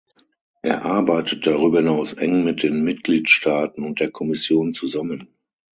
Er arbeitet darüber hinaus eng mit den Mitgliedstaaten und der Kommission zusammen.